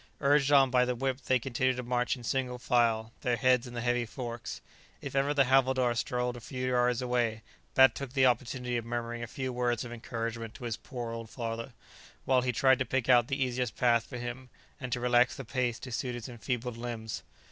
Urged on by the whip they continued to march in single file, their heads in the heavy forks. If ever the havildar strolled a few yards away, Bat took the opportunity of murmuring a few words of encouragement to his poor old father, while he tried to pick out the easiest path for him, and to relax the pace to suit his enfeebled limbs.